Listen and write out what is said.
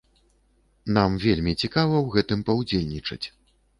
Нам вельмі цікава ў гэтым паўдзельнічаць.